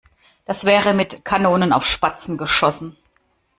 Das wäre mit Kanonen auf Spatzen geschossen.